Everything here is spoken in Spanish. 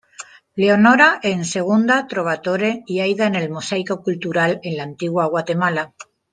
Leonora en Il Trovatore y Aida en el Mosaico Cultural en La Antigua Guatemala.